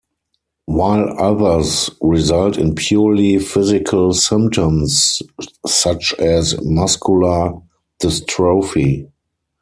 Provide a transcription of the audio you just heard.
While others result in purely physical symptoms such as Muscular Dystrophy.